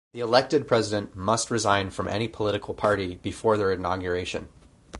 The elected president must resign from any political party before their inauguration.